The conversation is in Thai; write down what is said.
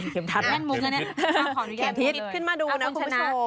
เข็มทิศขึ้นมาดูนะคุณผู้ชม